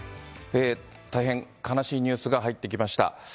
大変悲しいニュースが入ってきました。